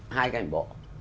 hai cái ảnh bộ